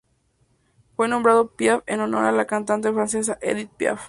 Fue nombrado Piaf en honor a la cantante francesa Edith Piaf.